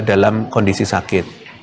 dalam kondisi sakit